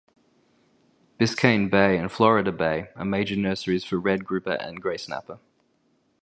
Biscayne Bay and Florida Bay are major nurseries for red grouper and gray snapper.